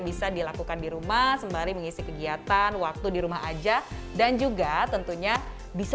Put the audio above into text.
bisa dilakukan di rumah sembari mengisi kegiatan waktu di rumah aja dan juga tentunya bisa